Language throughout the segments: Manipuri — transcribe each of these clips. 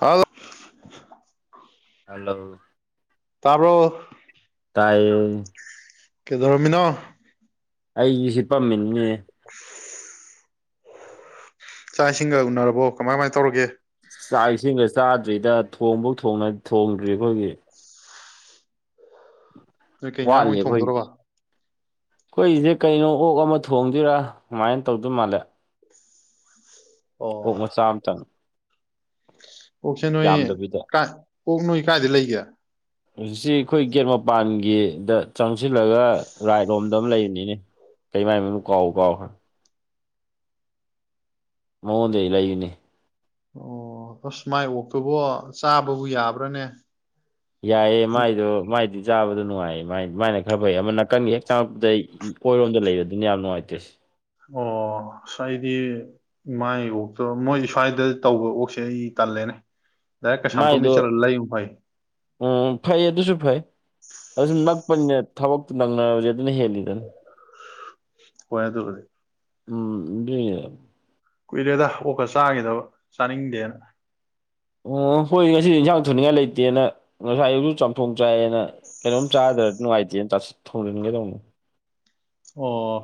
ꯑꯂ [unintelligible] ꯍꯜꯂꯣ ꯇꯞ꯭ꯔꯣ ꯇꯥꯏꯌꯦ ꯀꯦꯗꯣꯔꯃꯤꯅ ꯑꯩꯒꯤꯁꯤ ꯄꯥꯝꯃꯤꯟꯅꯤ [inaudible] ꯆꯥꯛ ꯏꯁꯤꯡꯒ ꯎꯅꯔꯕꯣ ꯀꯃꯥꯏ ꯀꯃꯥꯏꯅ ꯇꯧꯔꯒꯦ ꯆꯥꯛ ꯏꯁꯤꯡꯒ ꯆꯥꯗ꯭ꯔꯤꯗ ꯊꯣꯡꯕꯧ ꯊꯣꯡꯗ꯭ꯔꯤ ꯑꯩꯈꯣꯏꯒꯤ ꯅꯣꯏ ꯀꯩ ꯏꯟꯖꯥꯡ ꯋꯥꯠꯂꯤ ꯑꯣꯏꯅ ꯑꯩꯈꯣꯏ ꯊꯣꯡꯗꯣꯔꯕ ꯑꯩꯈꯣꯏꯁꯦ ꯀꯩꯅꯣ ꯑꯣꯛ ꯑꯃ ꯊꯣꯡꯗꯣꯏꯔꯥ ꯗꯨꯃꯥꯏꯅꯥ ꯇꯧꯗꯧ ꯃꯥꯜꯂꯦ ꯑꯣ ꯑꯣꯛ ꯃꯆꯥꯝ ꯇꯥꯡ ꯑꯣꯛꯁꯦ ꯅꯣꯏ ꯌꯥꯝꯗꯕꯤꯗ ꯑꯣꯛ ꯅꯣꯏ ꯀꯥꯏꯗꯩꯩ ꯂꯩꯒꯦ ꯍꯧꯖꯤꯛꯁꯤ ꯑꯩꯈꯣꯏ ꯒꯦꯠ ꯃꯄꯥꯟꯒꯤꯗ ꯆꯪꯁꯤꯜꯂꯒ ꯔꯥꯠ ꯔꯣꯝꯗ ꯑꯃ ꯂꯩꯕꯅꯤꯅꯦ ꯀꯩ ꯃꯥꯏ ꯃꯃꯤꯡ ꯀꯥꯎ ꯀꯥꯎꯈ꯭ꯔꯦ ꯃꯑꯣꯟꯗꯩꯩ ꯂꯩꯕꯅꯦ ꯑꯣ ꯑꯁ ꯃꯥꯏ ꯑꯣꯛꯇꯨꯕꯣ ꯆꯥꯕꯕꯨ ꯌꯥꯕ꯭ꯔꯥꯅꯦ ꯌꯥꯏꯌꯦ ꯃꯥꯏꯗꯣ ꯃꯥꯏꯗꯤ ꯆꯥꯕꯗꯣ ꯅꯨꯡꯉꯥꯏꯌꯦ ꯃꯥꯏꯅ ꯈꯔ ꯐꯩ ꯑꯃ ꯅꯥꯀꯟꯒꯤ ꯍꯦꯛ ꯆꯪꯉꯛꯄꯗ ꯑꯣꯏꯔꯣꯝꯗ ꯂꯩꯕꯗꯨꯅ ꯌꯥꯝꯅ ꯅꯨꯪꯉꯥꯏꯇ ꯑꯣ ꯑꯩꯗꯤ ꯃꯥꯏ ꯑꯣꯛꯇꯣ ꯃꯣꯏ ꯁ꯭ꯋꯥꯏꯗ ꯇꯧꯕ ꯑꯣꯛꯁꯦ ꯑꯩ ꯇꯜꯂꯦꯅꯦ ꯗꯥꯏꯦꯛ ꯀꯩꯁꯥꯝꯊꯣꯡ ꯃꯥꯏꯗꯣ ꯆꯠꯂꯥ ꯂꯩ ꯐꯥꯏ ꯎꯝ ꯐꯩ ꯑꯗꯨꯁꯨ ꯐꯩ ꯑꯗꯨꯁꯨ ꯅꯛꯄꯅꯤꯅ ꯊꯕꯛꯇꯨ ꯅꯪꯅꯗꯤ ꯑꯗꯨꯅ ꯍꯦꯜꯂꯤꯗꯅ ꯍꯣꯏ ꯑꯗꯨꯗꯤ ꯎ [unintelligible] ꯀꯨꯏꯔꯦꯗ ꯑꯣꯛꯒ ꯆꯥꯈꯤꯗꯕ ꯆꯥꯅꯤꯡꯗꯦꯅ ꯑꯣ ꯍꯣꯏ ꯉꯁꯤꯗꯤ ꯏꯟꯁꯥꯡ ꯊꯣꯡꯅꯤꯡꯉꯥꯏ ꯂꯩꯇꯦꯅ ꯉꯁꯥꯏ ꯑꯨꯛꯁꯨ ꯆꯥꯝꯊꯣꯡ ꯆꯥꯏꯌꯦꯅ ꯀꯩꯅꯣꯝ ꯆꯥꯗ꯭ꯔ ꯅꯨꯡꯉꯥꯏꯇꯦꯅ ꯊꯣꯡꯖꯤꯟꯒꯦ ꯇꯧꯅꯣ ꯑꯣ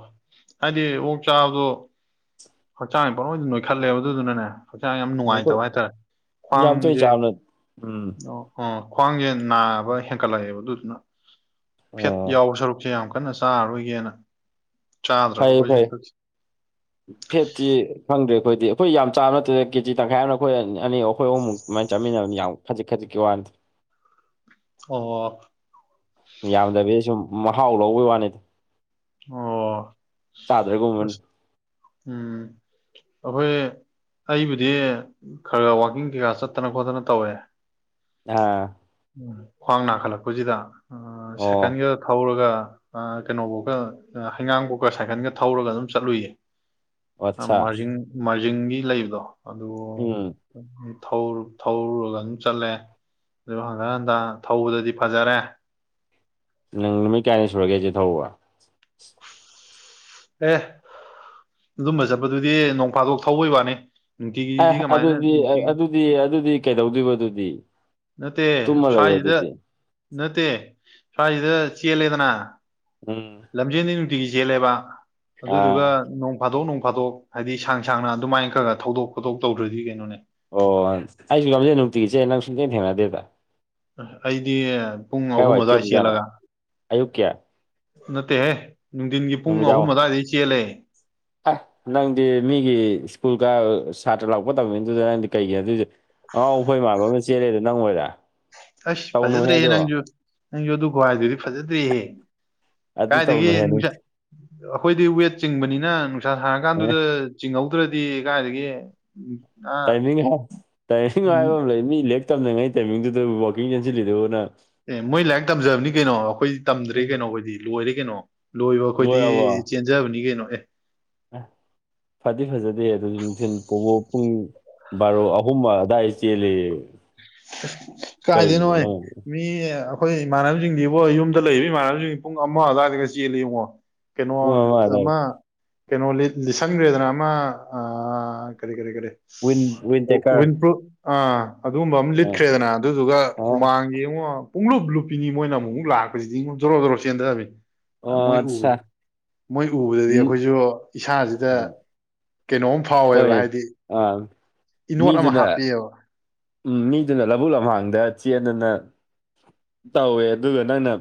ꯍꯥꯏꯗꯤ ꯑꯣꯛ ꯆꯥꯕꯗꯣ ꯍꯛꯆꯥꯡꯁꯦ ꯄꯥꯅꯣꯏꯗ ꯅꯣꯏꯈꯠꯂꯦꯕ ꯑꯗꯨꯅꯅꯦ ꯍꯛꯆꯥꯡ ꯌꯥꯝ ꯑꯩꯈꯣꯏ ꯅꯨꯡꯉꯥꯏꯇꯕ ꯍꯥꯏꯇꯥꯔꯦ ꯌꯥꯝ ꯇꯣꯏ ꯈ꯭ꯋꯥꯡꯁꯦ ꯆꯥꯕꯅ ꯎꯝ ꯑꯣ ꯈ꯭ꯋꯥꯡꯁꯦ ꯅꯥꯕ ꯍꯦꯟꯀꯠꯂꯛꯑꯦꯕ ꯑꯗꯨꯗꯨꯅ ꯐꯦꯠ ꯑꯥ ꯌꯥꯎꯕ ꯁꯔꯨꯛꯁꯦ ꯌꯥꯝ ꯀꯟꯅ ꯆꯥꯔꯔꯣꯏꯒꯦꯅ ꯆꯥꯗ꯭ꯔꯕ ꯐꯩꯌꯦ ꯑꯩꯈꯣꯏꯁꯦ ꯐꯩꯌꯦ [inaudible] ꯐꯦꯠꯇꯦ ꯐꯪꯗ꯭ꯔꯦ ꯑꯩꯈꯣꯏꯗꯤ ꯑꯩꯈꯣꯏ ꯌꯥꯝ ꯆꯥꯕ ꯅꯠꯇꯦꯗ ꯀꯦꯖꯤ ꯇꯪꯈꯥꯏ ꯑꯃꯅ ꯑꯩꯈꯣꯏ ꯑꯅꯤ ꯑꯩꯈꯣꯏ ꯑꯍꯨꯝꯃꯨꯛ ꯑꯗꯨꯃꯥꯏꯅ ꯆꯠꯃꯤꯟꯅꯕꯅꯤ ꯌꯥꯝ ꯈꯖꯤꯛ ꯈꯖꯤꯛꯀꯤ ꯋꯥꯅꯤ ꯑꯣ ꯌꯥꯝꯗꯕꯤꯗ ꯁꯨꯝ ꯃꯍꯥꯎ ꯂꯧꯕꯩ ꯋꯥꯅꯤꯗ ꯑꯣ ꯑꯁ ꯆꯥꯗ꯭ꯔꯒꯨꯝꯕꯅꯤ ꯎꯝ ꯑꯩꯈꯣꯏ꯫ ꯑꯩꯕꯨꯗꯤ ꯈꯔ ꯈꯔ ꯋꯥꯛꯀꯤꯡ ꯀꯩꯀꯥ ꯆꯠꯇꯅ ꯈꯣꯠꯇꯅ ꯇꯧꯋꯦ꯫ ꯑꯥ꯫ ꯎꯝ ꯈ꯭ꯋꯥꯡ ꯅꯥꯈꯠꯂꯛꯄꯁꯤꯗ ꯁꯥꯢꯀꯦꯟ ꯑꯣ ꯒ꯫ ꯊꯧꯔꯒ ꯀꯩꯅꯣꯐꯧꯒ ꯍꯩꯉꯥꯡꯐꯧꯀ ꯁꯥꯏꯀꯟꯒ ꯊꯧꯔꯒ ꯑꯗꯨꯝ ꯆꯠꯂꯨꯏꯌꯦ꯫ ꯑꯠꯆꯥ ꯃꯥꯔꯖꯤꯡ ꯃꯥꯔꯖꯤꯡꯒꯤ ꯂꯩꯕꯗꯣ ꯑꯗꯨ꯫ ꯎꯝ ꯊꯧ ꯊꯧꯔꯨꯔꯒ ꯑꯗꯨꯝ ꯆꯠꯂꯦ꯫ ꯑꯗꯨ ꯍꯟꯒꯥ ꯍꯟꯗ ꯊꯧꯕꯗꯗꯤ ꯐꯖꯔꯦ꯫ ꯅꯪ ꯅꯨꯃꯤꯠ ꯀꯌꯥꯅꯤ ꯁꯨꯔꯒꯦ ꯊꯧꯕ꯫ ꯑꯦ ꯑꯗꯨꯝꯕ ꯆꯠꯄꯗꯨꯗꯤ ꯅꯣꯡ ꯐꯥꯗꯣꯛ ꯊꯧꯕꯩ ꯋꯥꯅꯤ꯫ ꯑꯦ ꯅꯨꯡꯇꯤꯒꯤꯗꯤ ꯀꯃꯥꯏꯅ ꯑꯗꯨꯗꯤ ꯅꯨꯡꯇꯤꯒꯤ ꯑꯗꯨꯗꯤ ꯑꯗꯨꯗꯤ ꯀꯩꯗꯧꯗꯣꯏꯕ ꯑꯗꯨꯗꯤ ꯅꯠꯇꯦ ꯇꯨꯝꯃ ꯂꯩꯌꯣ ꯁ꯭ꯋꯥꯏꯁꯤꯗ ꯑꯗꯨꯗꯤ ꯅꯠꯇꯦ ꯁ꯭ꯋꯥꯏꯁꯤꯗ ꯆꯦꯜꯂꯦꯗꯅ ꯎꯝ ꯂꯝꯖꯦꯟꯗ ꯅꯨꯡꯇꯤꯒꯤ ꯆꯦꯜꯂꯦꯕ ꯑꯗꯨꯗꯨꯒ ꯑꯥ ꯅꯣꯡ ꯐꯥꯗꯣꯛ ꯅꯣꯡꯐꯥꯗꯣꯛ ꯍꯥꯏꯗꯤ ꯁꯥꯡ ꯁꯥꯡꯅ ꯑꯗꯨꯃꯥꯏꯅ ꯈꯔ ꯈꯔ ꯊꯧꯗꯣꯛ ꯈꯣꯠꯇꯣꯛ ꯇꯧꯗ꯭ꯔꯗꯤ ꯀꯩꯅꯣꯅꯦ ꯑꯣ ꯑꯩꯁꯨ ꯌꯥꯝꯖꯩ ꯅꯨꯡꯇꯤꯒꯤ ꯆꯦꯟꯂꯦ ꯅꯡ ꯁꯨꯡꯊꯦꯡ ꯊꯦꯡꯅꯗꯦꯕ ꯑꯩꯗꯤ ꯄꯨꯡ ꯑꯍꯨꯝ ꯀꯥꯏꯋꯥꯏ ꯑꯗꯨꯋꯥꯏ ꯆꯦꯜꯂꯤꯖꯥꯠꯅꯣ ꯆꯦꯜꯂꯒ ꯑꯌꯨꯛꯀꯤ ꯅꯠꯇꯦꯍꯦ ꯅꯨꯡꯊꯤꯟꯒꯤ ꯄꯨꯡ ꯑꯍꯨꯝ ꯑꯗꯨꯋꯥꯏꯗ ꯆꯦꯜꯂꯦ ꯑ ꯅꯪꯗꯤ ꯃꯤꯒꯤ ꯁ꯭ꯀꯨꯜꯒ ꯁꯥꯇ꯭ꯔ ꯂꯥꯛꯄ ꯇꯝꯃꯤꯗꯨꯗ ꯅꯪꯗꯤ ꯀꯩꯒꯤ ꯑꯗꯨꯏꯗꯤ ꯑꯥꯉꯥꯑꯣ ꯑꯩꯐꯩꯏ ꯃꯥꯟꯕ ꯑꯃ ꯆꯦꯜꯂꯦꯗ ꯅꯪ ꯑꯣꯏꯔꯦ ꯑꯁ ꯇꯧꯅꯨꯍꯦ ꯐꯖꯗ꯭ꯔꯦꯍꯦ ꯑꯗꯣ ꯅꯪꯁꯨ ꯅꯪꯁꯨ ꯑꯗꯨ ꯈꯨꯍꯥꯏꯗꯨꯗꯤ ꯐꯖꯗ꯭ꯔꯦꯍꯦ ꯑꯗꯨ ꯀꯥꯏꯗꯒꯤ ꯇꯧꯅꯨꯍꯦ ꯅꯪ ꯅꯨꯡꯁꯥ ꯑꯩꯈꯣꯏꯗꯤ ꯋꯦꯠ ꯆꯤꯡꯕꯅꯤꯅ ꯅꯨꯡꯁꯥ ꯑꯦ ꯁꯥꯥꯡꯔꯀꯥꯟꯗꯨꯗ꯫ ꯆꯤꯡꯍꯧꯗ꯭ꯔꯗꯤ ꯀꯥꯏꯗꯒꯤ꯫ ꯑ ꯇꯥꯏꯃꯤꯡ ꯇꯥꯏꯃꯤꯡ ꯍꯥꯏꯕ ꯑꯃ ꯂꯩ ꯃꯤ ꯂꯦꯛ ꯇꯝꯅꯉꯥꯏ ꯇꯥꯏꯃꯤꯡꯗꯨꯗ ꯋꯥꯛꯀꯤꯡ ꯆꯦꯟꯁꯤꯜꯂꯤꯗꯨꯕꯨ ꯅꯪ꯫ ꯑꯦ ꯃꯣꯏ ꯂꯥꯏꯔꯤꯛ ꯇꯝꯖꯕꯅꯤ ꯀꯩꯅꯣ ꯑꯩꯈꯣꯏꯗꯤ ꯇꯝꯗ꯭ꯔꯦ ꯀꯩꯅꯣ ꯑꯣꯏꯣꯏꯗꯤ ꯂꯣꯏꯔꯦ ꯀꯩꯅꯣ꯫ ꯂꯣꯏꯕ ꯑꯩꯈꯣꯏꯗꯤ ꯆꯦꯟꯖꯕꯅꯤ ꯀꯩꯅꯣ ꯑꯦ꯫ ꯑ ꯐꯗꯤ ꯐꯖꯗꯦ ꯑꯗꯨ ꯅꯨꯡꯊꯤꯟ ꯄꯣꯕꯣ ꯄꯨꯡ꯫ ꯕꯥꯔꯣ ꯑꯍꯨꯝ ꯑꯗꯥꯋꯥꯏꯗ ꯆꯦꯜꯂꯦꯌꯦ꯫ ꯀꯥꯏꯗꯩ ꯅꯣꯢꯑꯦ꯫ ꯃꯤ ꯑꯩꯈꯣꯏ ꯏꯃꯥꯟꯅꯕꯁꯤꯡꯗꯤꯕꯣ ꯌꯨꯝꯗ ꯂꯩꯔꯤꯕ ꯏꯃꯥꯟꯅꯕꯁꯤꯡꯁꯤ ꯄꯨꯡ ꯑꯃ ꯑꯗꯨꯋꯥꯏꯗꯒ ꯆꯦꯜꯂꯤ ꯌꯦꯡꯉꯣ꯫ ꯀꯩꯅꯣ ꯄꯨꯡ ꯑꯗꯥꯏ ꯑꯃ꯫ ꯀꯩꯅꯣ ꯂꯤꯁꯪꯈ꯭ꯔꯦꯗꯅ ꯑꯃ ꯀꯔꯤ ꯀꯔꯤ ꯀꯔꯤ꯫ ꯋꯤꯟ ꯋꯤꯟ ꯇꯦꯀꯔ ꯋꯤꯟꯄ꯭ꯔꯨ ꯑ ꯑꯗꯨꯝ꯫ ꯑꯗꯨꯝꯕ ꯑꯃ ꯑꯥ ꯂꯤꯠꯇ꯭ꯔꯦꯗꯅ ꯑꯗꯨꯗꯨꯒ ꯑꯣ ꯍꯨꯃꯥꯡꯒꯤ ꯌꯦꯡꯉꯣ꯫ ꯄꯨꯡꯂꯨꯞ ꯂꯨꯞꯄꯤꯅꯤ ꯃꯣꯏꯅ ꯑꯃꯨꯛ ꯑꯃꯨꯛ ꯂꯥꯛꯄꯖꯤꯗꯤꯉꫭ ꯖꯣꯔꯣ ꯖꯣꯔꯣ ꯆꯦꯟꯗꯕꯤꯅꯤ ꯑꯣ ꯃꯣꯏ ꯑꯠꯁꯥ ꯎꯕꯖꯦ꯫ ꯃꯣꯏ ꯎꯕꯗꯗꯤ ꯑꯩꯈꯣꯏꯖꯨ ꯏꯁꯥꯖꯤꯗ ꯎꯝ ꯀꯩꯅꯣꯝ ꯍꯣꯏ ꯐꯥꯎꯋꯦꯕ ꯍꯥꯏꯗꯤ꯫ ꯑꯥ꯫ ꯏꯅꯣꯠ ꯑꯃ ꯃꯤꯗꯨꯅ ꯍꯥꯞꯄꯦꯑꯦꯕ꯫ ꯎꯝ ꯃꯤꯗꯨꯅ ꯂꯕꯨꯨꯛ ꯂꯝꯍꯥꯡꯗ ꯆꯦꯟꯗꯨꯅ꯫ ꯇꯧꯋꯦ ꯑꯗꯨꯒ ꯅꯪꯅ꯫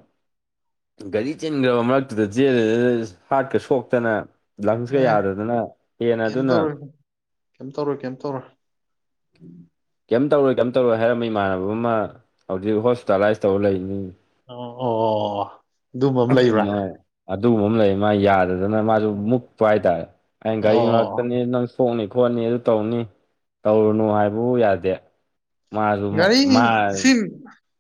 ꯒꯥꯔꯤ ꯆꯤꯟꯈ꯭ꯔꯕ ꯃꯔꯛꯇꯨꯗ ꯖꯦꯜ ꯍꯥꯔꯠꯀ ꯁꯣꯛꯇꯅ꯫ ꯂꯪꯁꯀ ꯑꯦ ꯌꯥꯗꯗꯅ ꯍꯦꯟꯅ ꯀꯩꯝ ꯇꯧꯔꯣꯏ ꯑꯗꯨꯅ꯫ ꯀꯩꯝ ꯇꯧꯔꯣ ꯀꯩꯝ ꯇꯧꯔꯣ꯫ ꯀꯩꯝ ꯇꯧꯔꯣꯏ ꯀꯔꯝ ꯇꯧꯔꯣꯏ ꯍꯥꯏꯔꯝꯃ ꯏꯃꯥꯟꯅꯕ ꯑꯃ ꯍꯧꯖꯤꯛ ꯍꯣꯁꯄꯤꯇꯥꯂꯥꯏꯁ ꯇꯧꯔ ꯂꯩꯔꯤꯅꯤ꯫ ꯑꯣ ꯑꯣ꯫ ꯑꯗꯨꯝꯕ ꯑꯃ ꯂꯩꯕ꯭ꯔꯥ ꯃꯥ ꯑꯗꯨꯒꯨꯝꯕ ꯑꯃ ꯂꯩ ꯃꯥ ꯌꯥꯗꯗꯅ꯫ ꯑꯗꯨꯅ ꯃꯥꯖꯨ ꯃꯨꯛꯄ ꯍꯥꯏꯇꯥꯔꯦ ꯑ ꯒꯥꯔꯤ ꯑꯣ ꯉꯥꯛꯇꯅꯦ ꯅꯪꯁꯨ꯫ ꯄꯣꯛꯅꯤ ꯈꯣꯠꯅꯤ ꯑꯗꯨ ꯇꯧꯅꯤ ꯇꯧꯔꯨꯅꯨ ꯍꯥꯏꯕꯕꯨ ꯌꯥꯗꯦ꯫ ꯃꯥꯁꯨ ꯃꯥ ꯒꯥꯔꯤ ꯁꯤ ꯁꯤ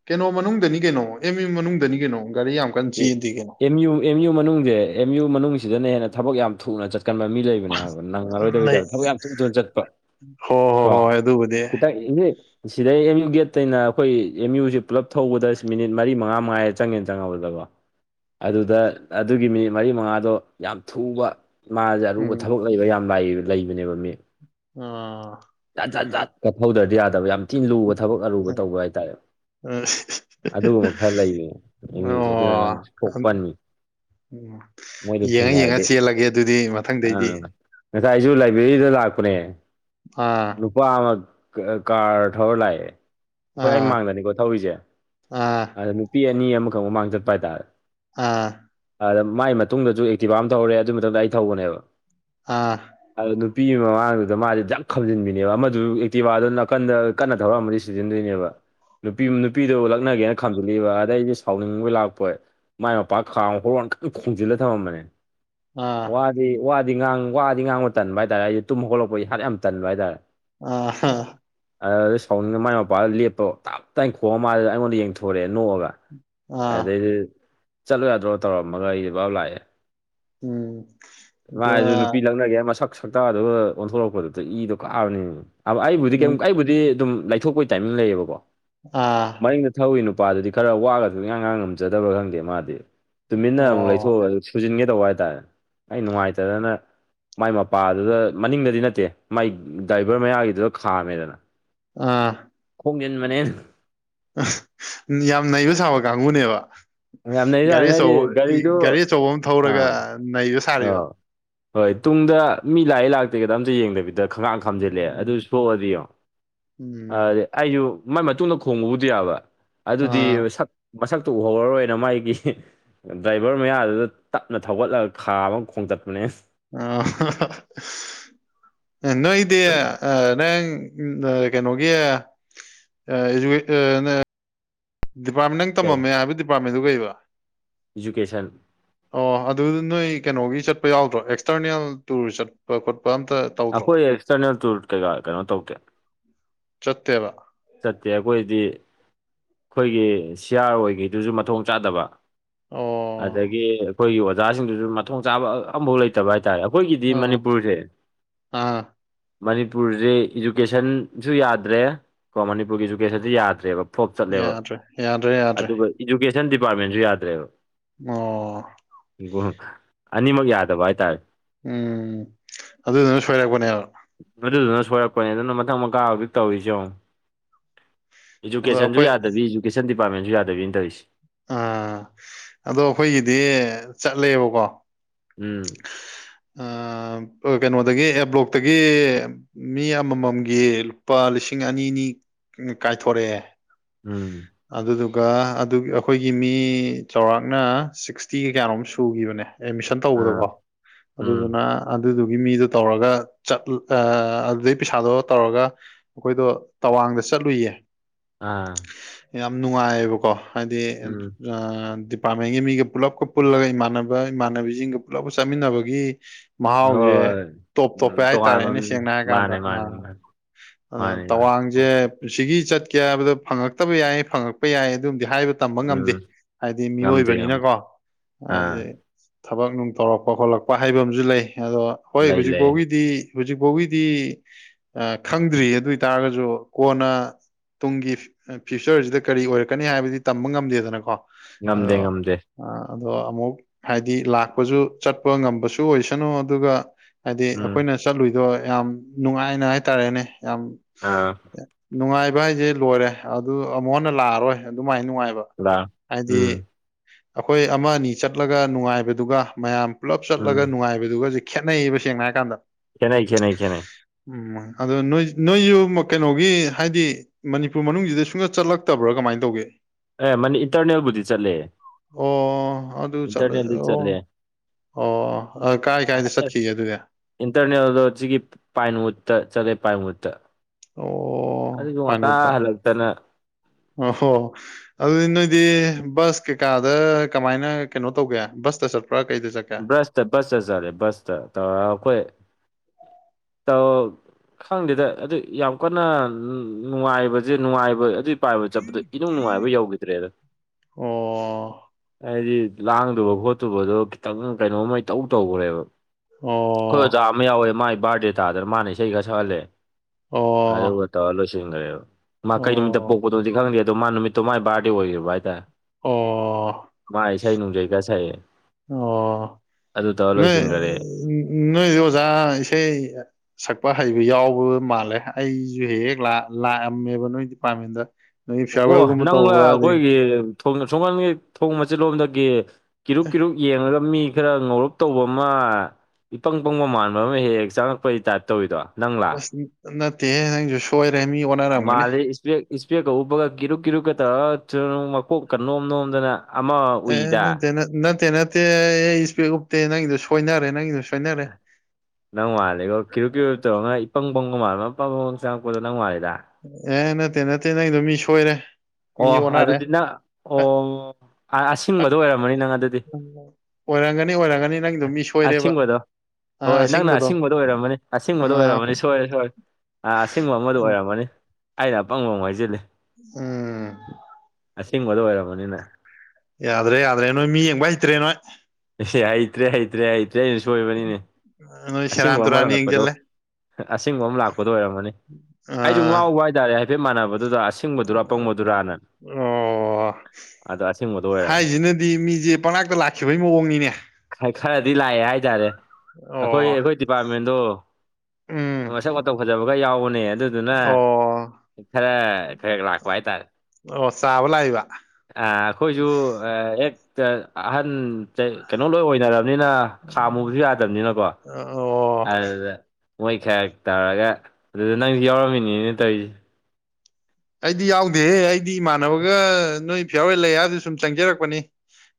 ꯀꯩꯅꯣ ꯃꯅꯨꯡꯗꯅꯤ ꯀꯩꯅꯣ ꯑꯦꯝ ꯌꯨ ꯃꯅꯨꯡꯗꯅꯤ ꯀꯩꯅꯣ ꯒꯥꯔꯤ ꯌꯥꯝ꯫ ꯀꯟꯅ ꯆꯦꯟꯗꯦ ꯀꯩꯅꯣ ꯑꯦꯝ ꯌꯨ ꯑꯦꯝ ꯌꯨ ꯃꯅꯨꯡꯖꯦ ꯑꯦꯝ ꯌꯨ ꯃꯅꯨꯡꯁꯤꯗꯅ ꯍꯦꯟꯅ ꯊꯕꯛ ꯌꯥꯝ ꯊꯨꯅ ꯆꯠ꯫ ꯀꯟꯕ ꯃꯤ ꯂꯩꯕꯅꯦ ꯍꯥꯏꯕ ꯅꯪꯉꯔꯣꯏꯗꯕꯩ ꯂꯩ ꯇꯥꯏꯕ ꯊꯕꯛ ꯌꯥꯝ ꯊꯨ ꯊꯨꯅ ꯆꯠꯄ꯫ ꯍꯣꯏ ꯍꯣꯏ ꯀꫭ ꯍꯣꯏ ꯑꯗꯨꯕꯨꯗꯤ ꯈꯤꯇꯪ ꯏꯅꯦ꯫ ꯁꯤꯗꯩ ꯑꯦꯝ ꯌꯨ ꯒꯦꯠꯇꯩꯩꯅ ꯑꯩꯈꯣꯏ ꯑꯦꯝ ꯌꯨꯁꯤ ꯄꯨꯂꯞ ꯊꯧꯕꯗ ꯃꯤꯅꯤꯠ ꯃꯔꯤ ꯃꯉꯥ ꯃꯉꯥꯔ ꯆꯪꯉꯦꯅ ꯆꯪꯉꯕꯗꯀꫭ ꯑꯗꯨꯗ ꯑꯗꯨꯒꯤ ꯃꯤꯅꯤꯠ ꯃꯔꯤ ꯃꯉꯥꯗꯣ ꯌꯥꯝ ꯊꯨꯕ ꯃꯥꯖꯦ ꯑꯔꯨꯕ ꯎꯝ ꯊꯕꯛ ꯂꯩꯕ ꯌꯥꯝ ꯂꯥꯛꯏ ꯂꯩꯕꯅꯦꯕ ꯃꯤ ꯑꯣ ꯖꯠ ꯖꯠ ꯖꯠ ꯀ ꯊꯧꯗ꯭ꯔꯗꯤ ꯌꯥꯗꯕ ꯌꯥꯝ ꯊꯤꯅ ꯂꯨꯕ ꯊꯕꯛ ꯑꯔꯨꯕ ꯇꯧꯕ ꯍꯥꯏꯇꯥꯔꯦ ꯑꯗꯨꯒꯨꯝꯕ ꯈꯔ ꯂꯩꯌꯦ ꯑꯦꯝ ꯌꯨꯖꯦ ꯑꯗꯨꯅ ꯅꯪ ꯑꯣ ꯀꯣꯛ ꯄꯟꯅꯤ ꯎꯝ ꯌꯦꯡꯉ ꯌꯦꯡꯉ ꯆꯦꯜꯂꯒꯦ ꯑꯗꯨꯗꯤ ꯃꯊꯪꯗꯩꯗꯤ ꯉꯁꯥꯏ ꯑꯩꯁꯨ ꯂꯥꯏꯕ꯭ꯔꯦꯔꯤꯗ ꯂꯥꯛꯄꯅꯦ ꯑ ꯅꯨꯄꯥ ꯑꯃ ꯀ ꯀꯥꯔ ꯊꯧꯔ ꯂꯥꯛꯑꯦ꯫ ꯑꯩꯈꯣꯏ ꯑꯩ ꯑꯥ ꯃꯥꯡꯗꯅꯤꯀꯣ ꯊꯧꯔꯤꯖꯦ ꯑꯥ ꯑꯗ ꯅꯨꯄꯤ ꯑꯅꯤ ꯑꯃꯈꯛ ꯃꯃꯥꯡ ꯆꯠꯄ ꯍꯥꯏꯇꯥꯔꯦ꯫ ꯑꯥ꯫ ꯑꯗ ꯃꯥꯏ ꯃꯇꯨꯡꯗꯖꯨ ꯑꯦꯛꯇꯤꯚꯥ ꯑꯃ ꯊꯧꯔꯦ ꯑꯗꯨꯒꯤ ꯃꯇꯨꯡꯗ ꯑꯩ ꯊꯧꯕꯅꯦꯕ꯫ ꯑꯥ꯫ ꯑꯗꯣ ꯅꯨꯄꯤ ꯃꯃꯥꯡꯗꯨꯗ ꯃꯥꯖꯦ ꯖꯛ꯫ ꯈꯥꯝꯖꯤꯟꯕꯤꯅꯦꯕ ꯑꯃꯗꯨ ꯑꯦꯛꯇꯤꯚꯗꯨꯗ ꯅꯀꯟꯗ ꯀꯟꯅ ꯊꯧꯔꯛ ꯑꯝꯃꯗꯤ ꯁꯤꯖꯤꯟꯗꯣꯏꯅꯦꯕ꯫ ꯅꯨꯄꯤ ꯅꯨꯄꯤꯗꯨ ꯂꯛꯅꯒꯦꯅ ꯈꯥꯝꯖꯤꯜꯂꯛꯏꯕ ꯑꯗꯩ ꯑꯩꯗꯤ ꯁꯥꯎꯅꯤꯡꯕꫭꯏ ꯂꯥꯛꯄꯣꯏ꯫ ꯃꯥꯏ ꯃꯄꯥ ꯈꯥꯡꯃ ꯍꯣꯔꯣꯟ ꯀꯟ ꯈꯣꯡꯖꯤꯜꯂ ꯊꯝꯃꯝꯕꯅꯦ꯫ ꯋꯥꯗꯤ ꯋꯥꯗꯤꯥ ꯉꯥꯡ ꯋꯥꯗꯤ ꯉꯥꯡꯕ ꯇꯟꯕ ꯍꯥꯏꯇꯥꯔꯦ ꯑꯩ ꯇꯨꯝ ꯍꯧꯒꯠꯂꯛꯄꯒꯤ ꯍꯥꯠ ꯌꯥꯝ ꯇꯟꯕ ꯍꯥꯏꯇꯥꯔꯦ ꯑ ꯍꯥ ꯑꯗꯨꯗ ꯁꯥꯎꯅꯤꯡꯉ ꯃꯥꯏ ꯃꯄꯥꯗ ꯂꯦꯞꯄ ꯇꯞ ꯇꯥꯏꯅ ꯈꯣꯛꯉ ꯃꯥꯖꯦ ꯑꯩꯉꯣꯟꯗ ꯌꯦꯡꯊꯣꯔꯛꯑꯦ ꯅꯣꯛꯑꯒ ꯑꯥ ꯑꯗꯩꯗꯤ ꯆꯠꯂꯨ ꯌꯥꯗ꯭ꯔꯣ ꯇꯧꯔꯝꯃꯒ ꯑꯩꯗꯤ ꯚꯞ ꯂꯥꯛꯑꯦ ꯎꯝ ꯃꯥꯖꯨ ꯑ ꯅꯨꯄꯤ ꯂꯛꯅꯒꯦ ꯃꯁꯛ ꯁꯛꯇꯥꯗꯨꯒ ꯑꯣꯟꯊꯣꯔꯛꯄꯗꯨꯗ ꯏꯗꯣ ꯀꯥꯕꯅꯦꯃꯦ ꯑꯩꯕꯨꯗꯤ ꯎꯝ ꯀꯩꯝ ꯑꯩꯕꯨꯗꯤ ꯑꯗꯨꯝ ꯂꯩꯊꯣꯛꯄꯩ ꯇꯟ ꯂꯩꯌꯦꯕꯀꯣ ꯑꯥ ꯃꯅꯤꯡꯗ ꯊꯧꯔꯤ ꯅꯨꯄꯥꯗꯨꯗꯤ ꯈꯔ ꯋꯥꯒꯖꯨ ꯏꯉꯥꯡ ꯉꯥꯡ ꯉꯝꯖꯗꯕ꯭ꯔꯥ ꯈꯪꯗꯦ ꯃꯥꯗꯤ ꯇꯨꯃꯤꯟꯅ ꯑꯃꯨꯛ ꯑꯣ ꯂꯩꯊꯣꯛꯑꯒ ꯇꯨꯖꯤꯟꯒꯦꯇꯧꯕ ꯍꯥꯏꯇꯥꯔꯦ ꯑꯩ ꯅꯨꯡꯉꯥꯏꯇꯗꯅ ꯃꯥꯏ ꯃꯄꯥꯗꯨꯗ ꯃꯅꯤꯡꯗꯗꯤ ꯅꯠꯇꯦ ꯃꯥꯏ ꯗꯥꯏꯕꯔ ꯃꯌꯥꯒꯤꯗꯨꯗ ꯈꯥꯝꯃꯦꯗꯅ ꯑ ꯈꯣꯡꯖꯤꯟꯕꯅꯦ ꯌꯥꯝ ꯅꯩꯕ ꯁꯥꯕ ꯀꯥꯡꯕꯨꯅꯦꯕ ꯌꯥꯝ ꯒꯥꯔꯤ ꯅꯩꯖꯥꯠꯅꯤ ꯍꯥꯏꯗꯤ ꯑꯆꯧꯕ ꯒꯥꯔꯤꯗꯣ ꯒꯥꯔꯤ ꯑꯆꯧꯕ ꯑꯃ ꯊꯧꯔꯒ ꯑꯥ ꯅꯩ ꯑꯥ ꯍꯣꯏ ꯇꯨꯡꯗ ꯃꯤ ꯂꯥꯛꯑꯦ ꯂꯥꯛꯇꯦ ꯀꯗ ꯑꯝꯇ ꯌꯦꯡꯗꯕꯤꯗ ꯈꯪꯒꯥꯥꯡ ꯈꯥꯝꯖꯤꯜꯂꯦ ꯎꯝ ꯑꯗꯨꯁꯨꯣꯛ ꯑꯣꯏꯕꯤꯌꯣ ꯎꯝ ꯑꯩꯁꯨ ꯃꯥꯏ ꯃꯇꯨꯡꯗ ꯈꯣꯡꯕꯕꯨꯗꯤ ꯌꯥꯕ ꯑꯗꯨꯗꯤ ꯑꯥ ꯁꯛ ꯃꯁꯛꯇꯨ ꯎꯍꯧꯔꯔꯣꯏꯅ ꯃꯥꯒꯤ ꯗ꯭ꯔꯥꯏꯚꯔ ꯃꯌꯥꯗꯨꯗ ꯇꯞꯅ ꯊꯧꯒꯠꯂ ꯈꯥꯝꯃ ꯈꯣꯡꯇꯠꯄꯅꯦ ꯑ ꯅꯣꯏꯗꯤ ꯑ ꯅꯪ ꯑ ꯀꯩꯅꯣꯒꯤ ꯑ ꯏꯖꯨ ꯗꯤꯄꯥꯔꯠꯃ ꯅꯪ ꯇꯝ ꯀꯩ ꯃꯝꯃꯦ ꯍꯥꯏꯕ ꯗꯤꯄꯥꯔꯠꯃꯦꯟꯗꯨ ꯀꯩꯕ ꯏꯖꯨꯀꯦꯁꯟ ꯑꯣ ꯑꯗꯨ ꯅꯣꯏ ꯀꯩꯅꯣꯒꯤ ꯆꯠꯄ ꯌꯥꯎꯗ꯭ꯔꯣ ꯑꯦꯛꯁꯇꯔꯅꯦꯜ ꯇꯨꯔ ꯆꯠꯄ ꯈꯣꯠꯄ ꯑꯝꯇ ꯇꯧꯗ꯭ꯔꯣ ꯑꯩꯈꯣꯏ ꯑꯦꯛꯁꯇꯔꯅꯦꯜ ꯇꯨꯔ ꯀꯩꯀꯥ ꯀꯩꯅꯣ ꯇꯧꯗꯦ ꯆꯠꯇꯕ ꯆꯠꯇꯦ ꯑꯩꯈꯣꯏꯗꯤ ꯑꯩꯈꯣꯏꯒꯤ ꯁꯤꯌꯥꯔ ꯑꯣꯏꯈꯩꯗꯨꯁꯨ ꯃꯊꯣꯡ ꯆꯥꯗꯕ ꯑꯣ ꯑꯗꯒꯤ ꯑꯩꯈꯣꯏꯒꯤ ꯑꯣꯖꯥꯁꯤꯡꯗꯨꯁꯨ ꯃꯊꯣꯡ ꯆꯥꯕ ꯑꯝꯐꯥꯎ ꯂꯩꯇꯦ ꯠꯇꯕ ꯍꯥꯏꯇꯥꯔꯦ ꯑꯩꯈꯣꯏꯒꯤꯗꯤ ꯑꯣ ꯃꯅꯤꯄꯨꯔꯁꯦ ꯑꯥ ꯃꯅꯤꯄꯨꯔꯁꯦ ꯏꯖꯨꯀꯦꯁꯟꯁꯨ ꯌꯥꯗ꯭ꯔꯦ ꯀꯣ ꯃꯅꯤꯄꯨꯔꯒꯤ ꯏꯖꯨꯀꯦꯁꯟꯗꯤ ꯌꯥꯗ꯭ꯔꯦꯕ ꯊꯣꯛꯞ ꯆꯠꯂꯦꯕ ꯌꯥꯗ꯭ꯔꯦ ꯌꯥꯗ꯭ꯔꯦ ꯌꯥꯗ꯭ꯔꯦ ꯑꯗꯨꯒ ꯏꯗꯨꯀꯦꯁꯟ ꯗꯤꯄꯥꯔꯠꯃꯦꯟꯁꯨ ꯌꯥꯗ꯭ꯔꯦꯕ ꯑꯣ [unintelligible] ꯑꯅꯤꯃꯛ ꯌꯥꯗꯕ ꯍꯥꯏꯇꯥꯔꯦ ꯎꯝ ꯑꯗꯨꯗꯨꯅ ꯁꯣꯏꯔꯛꯄꯅꯦꯕ ꯅꯣꯏꯗꯗꯨꯅ ꯁꯣꯏꯔꯛꯄꯩꯅꯦ ꯑꯗꯨꯅ ꯃꯊꯪ ꯃꯈꯥ ꯍꯧꯖꯤꯛ ꯇꯧꯔꯤꯁꯦ ꯌꯦꯛꯉꯨ ꯑꯗꯣ ꯏꯖꯨꯀꯦꯁꯟꯖꯨ ꯑꯩꯈꯣꯏ ꯌꯥꯗꯕꯤ ꯏꯖꯨꯀꯦꯁꯟ ꯗꯤꯄꯥꯔꯠꯃꯦꯟꯁꯨ ꯌꯥꯗꯕꯤꯅꯤ ꯇꯧꯔꯤꯁꯤ ꯑꯥ ꯑꯗꯣ ꯑꯩꯈꯣꯏꯒꯤꯗꯤ ꯆꯠꯂꯦꯕꯀꯣ ꯎꯝ ꯑꯥ ꯀꯩꯅꯣꯗꯒꯤ ꯑꯦ ꯕ꯭ꯂꯣꯛꯇꯒꯤ ꯃꯤ ꯑꯃꯃꯝꯒꯤ ꯂꯨꯄꯥ ꯂꯤꯁꯤꯡ ꯑꯅꯤꯅꯤ ꯀꯥꯏꯊꯣꯔꯛꯑꯦ ꯎꯝ ꯑꯗꯨꯗꯨꯒ ꯑꯗꯨ ꯑꯩꯈꯣꯏꯒꯤ ꯃꯤ ꯆꯥꯎꯔꯥꯛꯅ ꯁꯤꯛꯁꯇꯤꯒ ꯀꯌꯥꯅꯣꯝ ꯁꯨꯈꯤꯕꯅꯦ ꯑꯦꯠꯃꯤꯁꯟ ꯑꯥ ꯇꯧꯕꯗꯀꯣ ꯎꯝ ꯑꯗꯨꯗꯨꯅ ꯑꯗꯨꯗꯨꯒꯤ ꯃꯤꯗꯨ ꯇꯧꯔꯒꯠ ꯑꯗꯨꯗꯩ ꯄꯩꯁꯥꯗꯣ ꯇꯧꯔꯒ ꯑꯩꯈꯣꯏꯗꯣ ꯇꯋꯥꯡꯗ ꯆꯠꯂꯨꯏꯌꯦ ꯑꯥ ꯌꯥꯝ ꯅꯨꯡꯉꯥꯏꯌꯦꯕꯀꯣ ꯍꯥꯏꯗꯤ ꯎꯝ ꯑꯥ ꯗꯤꯄꯥꯔꯠꯃꯦꯟꯒꯤ ꯃꯤꯒ ꯄꯨꯜꯂꯞꯀ ꯄꯨꯜꯂꯒ ꯏꯃꯥꯟꯅꯕ ꯏꯃꯥꯟꯅꯕꯤꯖꯤꯡꯒ ꯄꯨꯂꯞ ꯆꯥꯃꯤꯟꯅꯕꯒꯤ ꯃꯍꯥꯎꯖꯦ ꯍꯣꯏ ꯇꯣꯞ ꯎꯝ ꯇꯣꯞꯄꯦ ꯇꯣꯉꯥꯟꯕ ꯍꯥꯏꯇꯥꯔꯦꯅꯦ ꯑꯝ ꯁꯦꯡꯅ ꯍꯥꯏꯔ ꯀꯥꯟꯗ ꯃꯥꯅꯦ ꯃꯥꯅꯦ ꯑꯥ ꯃꯥꯅꯦ ꯑꯥ ꯃꯥꯅꯦ ꯃꯥꯅꯦ ꯇꯋꯥꯡ ꯖꯦ ꯄꯨꯟꯁꯤꯒꯤ ꯆꯠꯀꯦ ꯍꯥꯏꯕꯗꯣ ꯐꯪꯉꯛꯇꯕ ꯌꯥꯏ ꯐꯪꯉꯛꯄ ꯌꯥꯏ ꯑꯗꯨꯝꯗꯤ ꯍꯥꯏꯕ ꯇꯝꯕ ꯉꯝꯗꯦ ꯎꯝ ꯍꯥꯏꯗꯤ ꯉꯝꯗꯦ ꯉꯝꯗꯦ ꯃꯤꯑꯣꯏꯕꯅꯤꯅꯀꯣ ꯑꯥ ꯊꯕꯛ ꯅꯨꯡ ꯇꯧꯔꯛꯄ ꯈꯣꯠꯂꯛꯄ ꯍꯥꯏꯕꯝꯖꯨ ꯂꯩ ꯑꯗꯣ ꯍꯣꯏ ꯂꯩ ꯂꯩ ꯍꯧꯖꯤꯛꯐꯥꯎꯒꯤꯗꯤ ꯍꯧꯖꯤꯛꯐꯥꯎꯒꯤꯗꯤ ꯑꯥ ꯈꯪꯗ꯭ꯔꯤ ꯑꯗꯨ ꯑꯣꯏ ꯇꯔꯒꯁꯨ ꯀꯣꯟꯅ ꯇꯨꯡꯒꯤ ꯐ꯭ꯌꯨꯆꯔꯖꯤꯗ ꯀꯔꯤ ꯑꯣꯏꯔꯛꯀꯅꯤ ꯍꯥꯏꯕꯗꯤ ꯇꯝꯕ ꯉꯝꯗꯦꯗꯅꯀꯣ ꯉꯝꯗꯦ ꯑꯗꯣ ꯉꯝꯗꯦ ꯑꯥ ꯑꯗꯣ ꯑꯃꯨꯛ ꯍꯥꯏꯗꯤ ꯂꯥꯛ ꯑꯖꯨ ꯆꯠꯄ ꯉꯝꯕꯁꯨ ꯑꯣꯏꯁꯅꯨ ꯑꯗꯨꯒ ꯍꯥꯏꯗꯤ ꯎꯝ ꯑꯩꯈꯣꯏꯅ ꯆꯠꯂꯨꯏꯗꯣ ꯌꯥꯝ ꯅꯨꯡꯉꯥꯏꯅ ꯍꯥꯏꯇꯥꯔꯦꯅꯦ ꯌꯥꯝ ꯑꯥ ꯅꯨꯡꯉꯥꯏꯕ ꯍꯥꯏꯁꯦ ꯂꯣꯏꯔꯦ ꯑꯗꯨ ꯑꯃꯨꯛ ꯍꯟꯅ ꯂꯥꯛꯑꯔꯣꯏ ꯑꯗꯨꯃꯥꯏ ꯅꯨꯡꯉꯥꯏꯕ ꯂꯥ ꯍꯥꯏꯗꯤ ꯎꯝ ꯑꯩꯈꯣꯏ ꯑꯃ ꯑꯅꯤ ꯆꯠꯂꯒ ꯅꯨꯡꯉꯥꯏꯕꯗꯨꯒ ꯃꯌꯥꯝ ꯄꯨꯜꯂꯞ ꯎꯝ ꯆꯠꯂꯒ ꯅꯨꯡꯉꯥꯏꯕꯗꯨꯒꯖꯦ ꯈꯦꯠꯅꯩꯌꯦꯕ ꯁꯦꯡꯅ ꯍꯥꯏꯔ ꯀꯥꯟꯗ ꯈꯦꯠꯅꯩ ꯈꯦꯠꯅꯩ ꯈꯦꯠꯅꯩ ꯎꯝ ꯑꯗꯣ ꯅꯣꯏ ꯅꯣꯏꯖꯨ ꯀꯩꯅꯣꯒꯤ ꯍꯥꯏꯗꯤ ꯃꯅꯤꯄꯨꯔ ꯃꯅꯨꯡꯖꯤꯗ ꯁꯨꯡꯆꯠ ꯆꯠꯂꯛꯇꯕ꯭ꯔꯥ ꯀꯃꯥꯏꯅ ꯇꯧꯒꯦ ꯑꯦ ꯃꯥꯅꯤ ꯏꯟꯇꯔꯅꯦꯜꯕꯨꯗꯤ ꯆꯠꯂꯦ ꯑꯣ ꯑꯗꯨ ꯆꯂ ꯏꯟꯇꯔꯅꯦꯜꯗꯤ ꯑꯣ ꯆꯠꯂꯦ ꯑꯣ ꯑꯥ ꯀꯥꯏ ꯀꯥꯏꯗ ꯆꯠꯈꯤꯒꯦ ꯑꯗꯨꯗꯤ ꯏꯟꯇꯔꯅꯦꯜꯗꯣ ꯁꯤꯒꯤ ꯄꯥꯏꯟꯋꯨꯠꯇ ꯆꯠꯂꯦ ꯄꯥꯏꯟꯋꯨꯠꯇ ꯑꯣ ꯑꯗꯨꯖꯨ ꯉꯟꯇꯥ ꯍꯜꯂꯛꯇꯅ ꯑꯣ ꯍꯣ ꯑꯗꯨꯗꯤ ꯅꯣꯏꯗꯤ ꯕꯁ ꯀꯩꯀꯥꯗ ꯀꯃꯥꯏꯅ ꯀꯩꯅꯣ ꯇꯧꯒꯦ ꯕꯁꯇꯥ ꯆꯠꯄ꯭ꯔꯥ ꯀꯩꯗ ꯆꯠ ꯕꯁꯇꯥ ꯕꯁꯇꯥ ꯆꯠꯂꯦ ꯕꯁꯇꯥ ꯇꯧꯔꯒ ꯑꯩꯈꯣꯏ ꯇꯧ ꯈꯪꯗꯦꯗ ꯑꯗꯣꯏ ꯌꯥꯝ ꯀꯟꯅ ꯅꯨꯡꯉꯥꯏꯕꯖꯦ ꯅꯨꯡꯉꯥꯏꯕ ꯑꯗꯨꯏ ꯄꯥꯏꯕ ꯆꯠꯄꯗ ꯏꯅꯨꯡ ꯅꯨꯡꯉꯥꯏꯕ ꯌꯧꯒꯤꯗ꯭ꯔꯦꯗ ꯑꯣ ꯍꯥꯏꯗꯤ ꯂꯥꯡꯗꯧꯕ ꯈꯣꯠꯇꯧꯕꯗꯣ ꯈꯤꯇꯪ ꯀꯩꯅꯣꯝꯃ ꯏꯇꯧ ꯇꯧꯒꯔꯦꯕ ꯑꯣ ꯑꯣꯖꯥ ꯑꯃ ꯌꯥꯎꯋꯦ ꯃꯥꯥꯏ ꯕꯥꯔꯗꯦ ꯇꯥꯗꯅ ꯃꯥꯅ ꯏꯁꯩ ꯈꯔ ꯁꯛꯍꯜꯂꯦ ꯑꯣ ꯑꯗꯨꯒ ꯇꯧꯔꯒ ꯂꯣꯏꯁꯤꯟꯒꯔꯦꯕ ꯃꯥ ꯀꯩ ꯅꯨꯃꯤꯠꯇ ꯄꯣꯛꯄꯗꯣꯗꯤ ꯈꯪꯗꯦ ꯑꯗꯣ ꯃꯥ ꯅꯨꯃꯤꯠ ꯇꯣ ꯃꯥꯏ ꯕꯥꯔꯗꯦ ꯑꯣꯏꯒꯤꯕ ꯍꯥꯏꯇꯥꯔꯦ ꯃꯥ ꯏꯁꯩ ꯅꯨꯡꯖꯩꯒ ꯈꯔ ꯁꯛꯑꯦ ꯑꯣ ꯑꯗꯨ ꯇꯧꯔ ꯅꯣꯏ ꯂꯣꯏꯁꯤꯟꯈꯔꯦ ꯅꯣꯏꯗꯤ ꯑꯣꯖꯥ ꯏꯁꯩ ꯁꯛꯄ ꯍꯩꯕ ꯌꯥꯎꯕ ꯃꯥꯜꯂꯦ ꯑꯩꯖꯨ ꯍꯦꯛ ꯍꯦꯛ ꯂꯥꯛ ꯂꯥꯛꯑꯝꯃꯦꯕ ꯅꯣꯏ ꯗꯤꯄꯥꯔꯠꯃꯦꯟꯗ ꯅꯣꯏ ꯕꯣꯕꯣ ꯐꯤꯌꯥꯔꯋꯦꯜꯒꯨꯝꯕ ꯅꯪꯂꯥ ꯇꯧꯕ ꯑꯗꯩ ꯑꯩꯈꯣꯏꯒꯤ ꯊꯣꯡ ꯑꯁꯣꯀꯥꯟꯗꯒꯤ ꯊꯣꯡ ꯃꯆꯦꯠꯂꯣꯝꯗꯒꯤ ꯀꯤꯔꯨꯝ ꯀꯤꯔꯨꯞ ꯌꯦꯡꯉꯒ ꯃꯤ ꯈꯔ ꯉꯧꯔꯞ ꯇꯧꯕ ꯑꯃ ꯏꯄꯪ ꯄꯪꯕ ꯃꯥꯟꯕ ꯑꯃ ꯍꯦꯛ ꯍꯦꯛ ꯆꯪꯉꯛꯄꯩ ꯇꯥꯏꯞ ꯇꯧꯋꯤꯗꯣ ꯅꯪꯂꯥ ꯑꯁ ꯅꯠꯇꯦꯍꯦ ꯅꯪꯒꯤꯗꯣ ꯁꯣꯏꯔꯦ ꯃꯤ ꯑꯣ ꯃꯥꯜꯂꯦ ꯏꯁꯄꯦ ꯏꯁꯄꯦꯛꯀ ꯎꯞꯄꯒ ꯀꯤꯔꯨꯛ ꯀꯤꯔꯨꯛꯀ ꯇ ꯃꯀꯣꯛꯀ ꯅꯣꯝ ꯅꯣꯝꯗꯅ [inaudible] ꯑꯃ ꯑꯦ ꯑꯦ ꯎꯏꯗ ꯅꯠꯇꯦ ꯅꯠ ꯅꯠꯇꯦ ꯅꯠꯇꯦ ꯑꯩ ꯏꯁꯄꯦꯛ ꯎꯞꯇꯦ ꯅꯪꯒꯤꯗꯨ ꯁꯣꯏꯅꯔꯦ ꯅꯪꯒꯤꯗꯨ ꯁꯣꯏꯅꯔꯦ ꯅꯪ ꯃꯥꯜꯂꯦꯉꯣ ꯀꯤꯔꯨꯞ ꯀꯤꯔꯨꯞ ꯇꯧꯔꯅ ꯏꯄꯪꯕ ꯄꯪꯕ ꯃꯟꯕ ꯑꯃ ꯄꯥꯕꯕꯛ ꯆꯪꯉꯛꯄꯗꯣ ꯅꯪ ꯃꯜꯂꯤꯗ ꯑꯦ ꯅꯠꯇꯦ ꯅꯠꯇꯦ ꯅꯪꯒꯤꯗꯣ ꯃꯤ ꯁꯣꯏꯔꯦ ꯃꯤ ꯑꯣ ꯑꯣꯟꯅꯔꯦ ꯑꯗꯨꯗꯤ ꯅꯪ ꯑ- ꯑꯣ ꯑ- ꯑꯁꯤꯡꯕꯗꯣ ꯑꯣꯏꯔꯝꯃꯅꯤ ꯅꯪ ꯑꯗꯨꯗꯤ ꯑꯣꯏꯔꯝꯒꯅꯤ ꯑꯣꯏꯔꯝꯒꯅꯤ ꯅꯪꯒꯤꯗꯣ ꯃꯤ ꯁꯣꯏꯔꯦꯕ ꯑꯁꯤꯡꯕꯗꯣ ꯍꯣꯏ ꯅꯪꯅ ꯑꯁꯤꯡꯕꯗꯣ ꯑꯣꯏꯔꯝꯃꯅꯤ ꯑꯁꯤꯡꯕꯗꯣ ꯑꯥ ꯑꯣꯏꯔꯝꯃꯅꯤ ꯁꯣꯏꯔꯦ ꯁꯣꯏꯔꯦ ꯑꯥ ꯑꯁꯤꯡꯕ ꯑꯃꯗꯣ ꯑꯣꯏꯔꯝꯃꯅꯤ ꯑꯩꯅ ꯑꯄꯪꯕ ꯑꯃꯨꯛ ꯍꯥꯏꯁꯤꯜꯂꯤ ꯎꯝ ꯑꯁꯤꯡꯕꯗꯣ ꯑꯣꯏꯔꯝꯃꯅꯤ ꯅꯪ ꯌꯥꯗ꯭ꯔꯦ ꯌꯥꯗ꯭ꯔꯦ ꯅꯣꯏ ꯃꯤ ꯌꯦꯡꯕ ꯍꯩꯇ꯭ꯔꯦ ꯅꯣꯏ ꯑꯦ ꯍꯩꯇ꯭ꯔꯦ ꯍꯩꯇ꯭ꯔꯦ ꯍꯩꯇ꯭ꯔꯦ ꯑꯩꯅ ꯁꯣꯏꯕꯅꯤꯅꯦ ꯅꯣꯏ ꯁꯦꯔꯥꯟ ꯑꯁꯤꯡꯕ ꯑꯃ ꯇꯨꯔꯥꯟ ꯂꯪꯉꯛꯄꯗꯣ ꯌꯦꯡꯁꯤꯜꯂꯦ ꯑꯁꯤꯡꯕ ꯑꯃ ꯂꯥꯛꯄꯗꯣ ꯑꯣꯏꯔꯝꯃꯅꯤ ꯑꯩꯁꯨ ꯑꯥ ꯉꯥꯎꯕ ꯍꯥꯏ ꯇꯥꯔꯦ ꯍꯥꯏꯐꯦꯠ ꯃꯥꯟꯅꯕꯗꯨꯗ ꯑꯁꯤ ꯑꯣ ꯑꯗꯣ ꯑꯁꯤꯡꯕꯗꯣ ꯑꯣꯏꯔꯝꯃꯦ ꯍꯥꯏꯁꯤꯅꯗꯤ ꯃꯤꯁꯦ ꯄꯪꯂꯥꯛꯇ ꯂꯥꯛꯈꯤꯕꯒꯤ ꯃꯑꯣꯡꯅꯤꯅꯦ ꯈꯔꯗꯤ ꯂꯥꯛꯑꯦ ꯍꯥꯏꯇꯥꯔꯦ ꯑꯩꯈꯣꯏ ꯑꯣ ꯑꯩꯈꯣꯏ ꯗꯤꯄꯥꯔꯠꯃꯦꯟꯗꯣ ꯎꯝ ꯃꯁꯛ ꯃꯇꯧ ꯐꯖꯕꯒ ꯌꯥꯎꯕꯅꯦ ꯑꯗꯨꯗꯨꯅ ꯑꯣ ꯈꯔ ꯈꯔꯒ ꯂꯥꯛꯄ ꯍꯥꯏꯇꯥꯔꯦ ꯑꯣ ꯆꯥꯕ ꯂꯥꯛꯢꯕ ꯑꯩꯈꯣꯏꯁꯨ ꯍꯦꯛ ꯑꯍꯟ ꯀꯩꯅꯣ ꯂꯣꯏ ꯑꯣꯏꯅꯔꯕꯅꯤꯅ ꯈꯥꯝꯃꯨꯕꯁꯨ ꯌꯥꯗꯕꯅꯤꯅꯀꯣ ꯑ ꯑꯣ ꯑꯗꯨꯗ ꯃꯣꯏ ꯈꯔ ꯇꯧꯔꯒ ꯑꯗꯨꯗ ꯅꯪꯁꯨ ꯌꯥꯎꯔꯝꯃꯤꯅꯤꯅꯦ ꯇꯧꯏꯁꯦ ꯑꯩꯗꯤ ꯌꯥꯎꯗꯦꯍꯦ ꯑꯩꯗꯤ ꯏꯃꯥꯟꯅꯕꯒ ꯅꯣꯏ ꯐꯤꯌꯥꯔꯋꯦꯜ ꯂꯩ ꯍꯥꯕꯗꯨꯗ ꯁꯨꯝ ꯆꯪꯖꯔꯛꯄꯅꯤ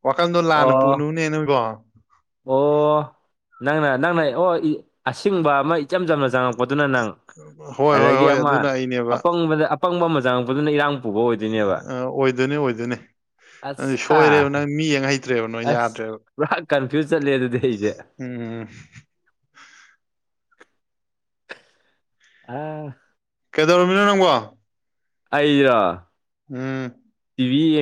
ꯋꯥꯈꯜꯗꯣ ꯂꯥꯟꯅ ꯑꯣ ꯄꯨꯅꯨꯅꯦ ꯅꯪꯕꯣ ꯑꯣ ꯅꯪꯅ ꯅꯪꯅ ꯑꯣ ꯑꯁꯤꯡꯕ ꯑꯃ ꯏꯆꯝ ꯆꯝꯅ ꯆꯪꯉꯛꯄꯗꯨꯅ ꯅꯪ ꯍꯣꯏ ꯍꯣꯏ ꯑꯗꯒꯤ ꯍꯣꯏ ꯑꯃ ꯑꯗꯨꯅ ꯑꯩꯅꯦꯕ ꯑꯄꯪꯕꯗ ꯑ ꯑꯄꯪꯕ ꯃ ꯆꯥꯡꯉꯛꯄꯗꯨꯅ ꯏꯔꯥꯡ ꯄꯨꯕ ꯑꯣꯏꯗꯣꯏꯅꯦꯕ ꯑꯣꯏꯗꯣꯏꯅꯦ ꯑꯣꯏꯗꯣꯏꯅꯦ ꯑꯗꯨ ꯑꯁ ꯍꯥ ꯁꯣꯏꯔꯦꯕ ꯅꯪ ꯃꯤ ꯌꯦꯡ ꯍꯩꯇ꯭ꯔꯦꯕ ꯅꯣꯏ ꯑꯁ ꯌꯥꯗ꯭ꯔꯦꯕ ꯄꯨꯔꯥ ꯀꯟꯐ꯭ꯌꯨꯁ ꯆꯠꯂꯦ ꯑꯗꯨꯗꯤ ꯑꯩꯗꯤ ꯎꯝ ꯑꯥ ꯀꯩꯗꯧꯔꯃꯤꯅꯣ ꯅꯪꯕꯣ ꯑꯩꯔꯣ ꯎꯝ ꯇꯤꯚꯤ ꯌꯦ